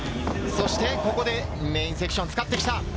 ここでメインセクション使ってきた！